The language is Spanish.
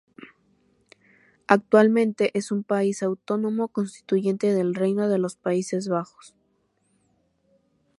Actualmente es un país autónomo constituyente del Reino de los Países Bajos.